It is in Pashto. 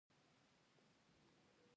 په دې موده کې د بېکارۍ کچه خورا لوړه وه.